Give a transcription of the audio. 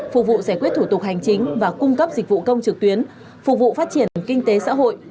phục vụ giải quyết thủ tục hành chính và cung cấp dịch vụ công trực tuyến phục vụ phát triển kinh tế xã hội